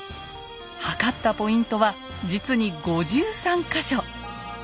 測ったポイントは実に５３か所！